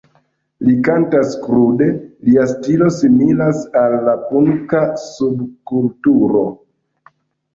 Li kantas krude, lia stilo similas al la punka subkulturo.